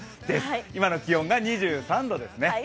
今の気温が２３度ですね。